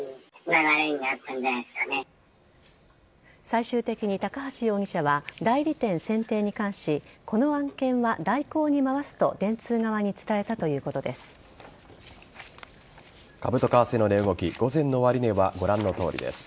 最終的に高橋容疑者は代理店選定に関しこの案件は大広に回すと電通側に伝えたということです。